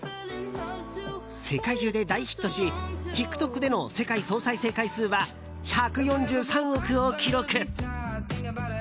世界中で大ヒットしＴｉｋＴｏｋでの世界総再生回数は１４３億を記録。